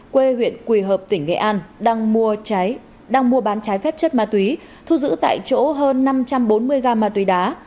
quê huyện quỳ hợp tỉnh nghệ an đang mua bán trái phép chất ma túy thu giữ tại chỗ hơn năm trăm bốn mươi g ma túy đá